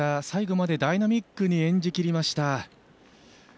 最後までダイナミックに演じきりました。